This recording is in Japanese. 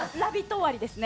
終わりですね。